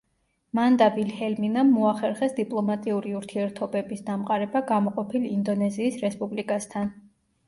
მან და ვილჰელმინამ მოახერხეს დიპლომატიური ურთიერთობების დამყარება გამოყოფილ ინდონეზიის რესპუბლიკასთან.